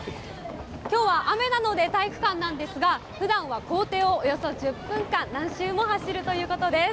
きょうは雨なので、体育館なんですが、ふだんは校庭をおよそ１０分間、何周も走るということです。